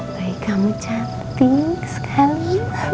bayi kamu cantik sekali